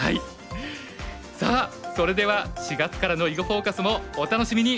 さあそれでは４月からの「囲碁フォーカス」もお楽しみに！